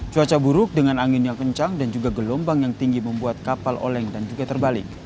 cuaca buruk dengan angin yang kencang dan juga gelombang yang tinggi membuat kapal oleng dan juga terbalik